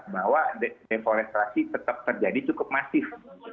bahwa deforestasi tetap terjadi cukup masif